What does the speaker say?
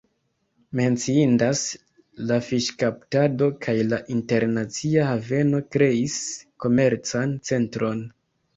Menciindas la fiŝkaptado kaj la internacia haveno kreis komercan centron.